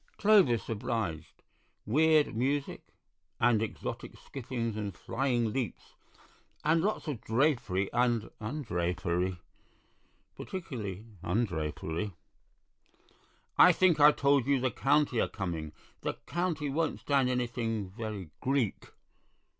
Clovis obliged: "Weird music, and exotic skippings and flying leaps, and lots of drapery and undrapery. Particularly undrapery." "I think I told you the County are coming. The County won't stand anything very Greek."